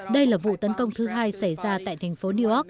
đây là vụ tấn công thứ hai xảy ra tại thành phố new york